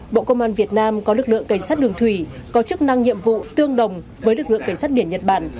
bộ công an việt nam có lực lượng cảnh sát đường thủy có chức năng nhiệm vụ tương đồng với lực lượng cảnh sát biển nhật bản